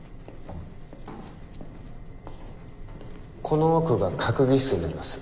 この奥が閣議室になります。